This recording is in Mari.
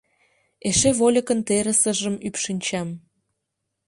Эше вольыкын терысыжым ӱпшынчам.